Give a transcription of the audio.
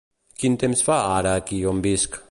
Quin temps fa ara aquí on visc?